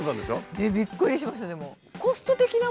びっくりしましたでも。